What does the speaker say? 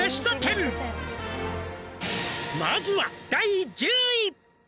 「まずは第１０位」